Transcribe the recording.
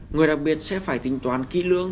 người đặc biệt sẽ phải tính toán kỹ lưỡng